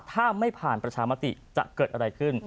ถ้าไม่ผ่านประชามติจะเกิดอะไรขึ้น